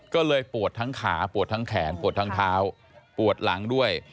ก็เลยปวดทั้งขาปวดทั้งแขนปวดทั้งเท้าปวดหลังด้วย